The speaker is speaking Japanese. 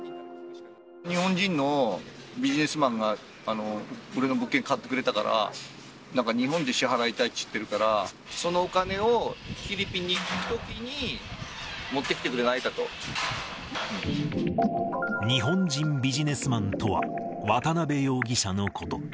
日本人のビジネスマンが俺の物件買ってくれたから、なんか日本で支払いたいって言ってるから、そのお金をフィリピンに行くときに、日本人ビジネスマンとは、渡辺容疑者のこと。